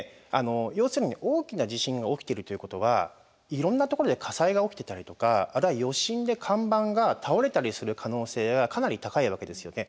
要するに大きな地震が起きてるということはいろんなところで火災が起きてたりとかあるいは余震で看板が倒れたりする可能性がかなり高いわけですよね。